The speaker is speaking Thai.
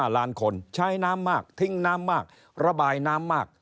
ล้านคนใช้น้ำมากทิ้งน้ำมากระบายน้ำมาก